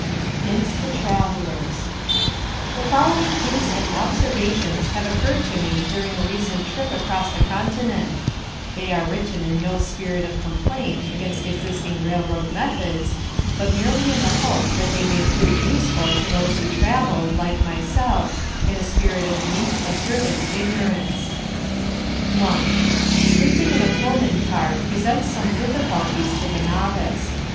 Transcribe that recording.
Hints to Travellers The following hints and observations have occurred to me during a recent trip across the continent: they are written in no spirit of complaint against existing railroad methods, but merely in the hope that they may prove useful to those who travel, like myself, in a spirit of meek, observant ignorance. 1. Sleeping in a Pullman car presents some difficulties to the novice.